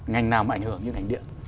ngành nào mà ảnh hưởng như ngành điện